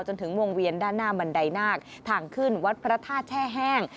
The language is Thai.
จนถึงวงเวียนด้านหน้าบันไดนาคทางขึ้นวัดพระธาตุแช่แห้ง